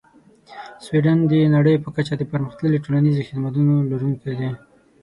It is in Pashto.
سویدن د نړۍ په کچه د پرمختللې ټولنیزې خدمتونو لرونکی دی.